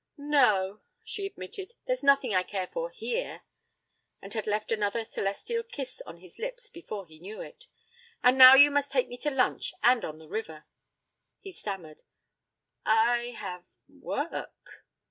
'No,' she admitted; 'there's nothing I care for here,' and had left another celestial kiss on his lips before he knew it. 'And now you must take me to lunch and on the river.' He stammered, 'I have work.'